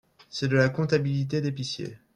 C’est de la comptabilité d’épicier